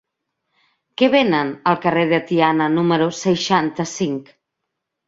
Què venen al carrer de Tiana número seixanta-cinc?